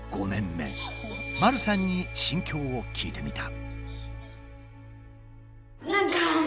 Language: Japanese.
まるさんに心境を聞いてみた。